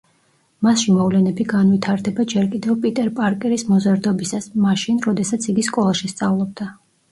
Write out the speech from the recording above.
მასში მოვლენები განვითარდება ჯერ კიდევ პიტერ პარკერის მოზარდობისას, მაშინ, როდესაც იგი სკოლაში სწავლობდა.